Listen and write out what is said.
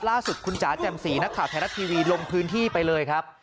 ล่าสุดคุณจ๋าแจ่มสีนักข่าวไทยรัฐทีวีลงพื้นที่ไปเลยครับ